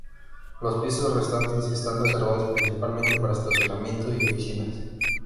Los pisos restantes están reservados principalmente para estacionamiento y oficinas.